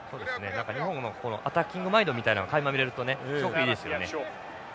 何か日本のこのアタッキングマインドみたいなのがかいま見えるとねすごくいいですよね。